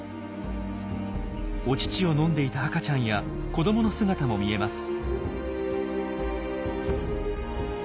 お乳を飲んでいた赤ちゃんや子どもの姿も見えます。